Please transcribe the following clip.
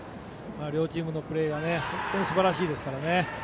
両チームのプレーが本当にすばらしいですからね。